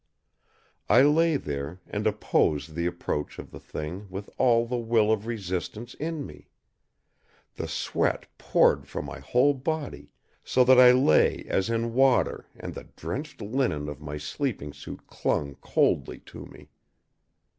I lay there, and opposed the approach of the Thing with all the will of resistance in me. The sweat poured from my whole body, so that I lay as in water and the drenched linen of my sleeping suit clung coldly to me.